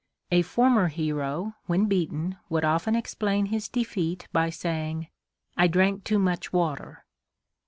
A former hero, when beaten, would often explain his defeat by saying: "I drank too much water."